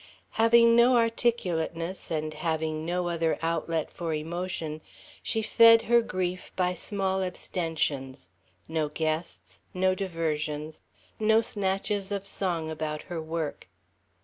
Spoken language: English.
Having no articulateness and having no other outlet for emotion, she fed her grief by small abstentions: no guests, no diversions, no snatches of song about her work.